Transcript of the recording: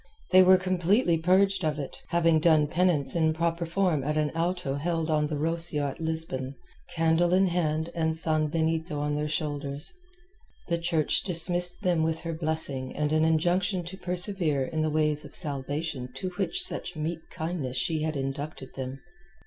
They were completely purged of it, having done penance in proper form at an Auto held on the Rocio at Lisbon, candle in hand and sanbenito on their shoulders. The Church dismissed them with her blessing and an injunction to persevere in the ways of salvation to which with such meek kindness she had inducted them.